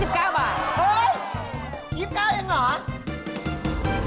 เฮ้ย๒๙บาทยังเหรอ